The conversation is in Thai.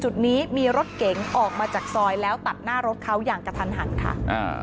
จุดนี้มีรถเก๋งออกมาจากซอยแล้วตัดหน้ารถเขาอย่างกระทันหันค่ะอ่า